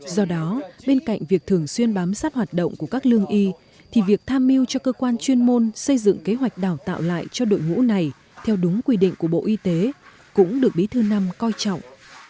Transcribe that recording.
do đó bên cạnh việc thường xuyên bám sát hoạt động của các lương y thì việc tham mưu cho cơ quan chuyên môn xây dựng kế hoạch đào tạo lại cho đội ngũ này theo đúng quy định của bộ y tế cũng được bí thư nam coi trọng